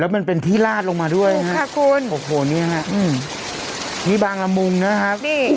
และมันเป็นที่ลาดลงมาด้วยโอ้โฮขอบคุณโอ้โฮนี่ละอื้มนี่บางระมุมนะครับ